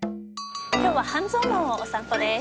今日は半蔵門をお散歩です。